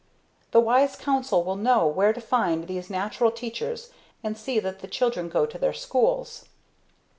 The wise council will know where to find these natural teachers and see that the children go to their schools.